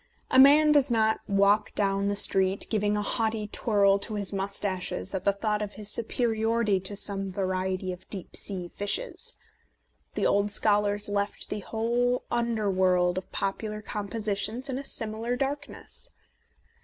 A man does not walk down A Defence of Penny Dreadfuls the street giving a haughty twirl to his moustaches at the thought of his superiority to some variety of deep sea fishes. The old scholars left the whole underworld of popular compositions in a similar dark ness.